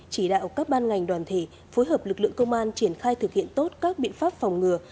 chỉ đạo các ban ngành đoàn thể phối hợp lực lượng công an triển khai thực hiện tốt các biện pháp phòng ngừa